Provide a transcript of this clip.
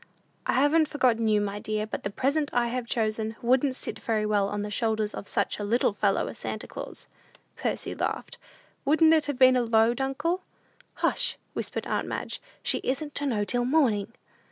"I haven't forgotten you, my dear; but the present I have chosen wouldn't sit very well on the shoulders of such a little fellow as Santa Claus." Percy laughed. "Wouldn't it have been a load, uncle?" "Hush!" whispered aunt Madge; "she isn't to know till morning."